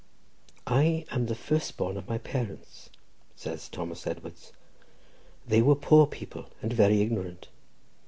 "I am the first born of my parents,"—says Thomas Edwards. "They were poor people, and very ignorant.